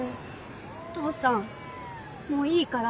お父さんもういいから。